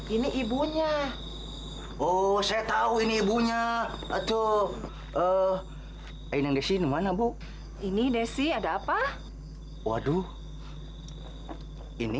ini ibunya oh saya tahu ini ibunya atau ini yang di sini mana bu ini desi ada apa waduh ini